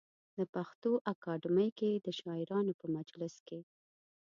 د پښتو اکاډمۍ کې د شاعرانو په مجلس کې.